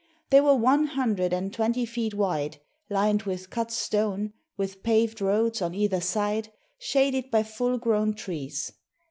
They were one hundred and twenty feet wide, Uned with cut stone, with paved roads on either side, shaded by full grown trees.